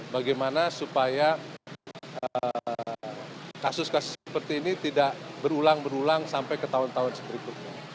bagaimana supaya kasus kasus seperti ini tidak berulang berulang sampai ke tahun tahun berikutnya